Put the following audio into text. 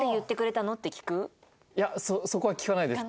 いやそこは聞かないです。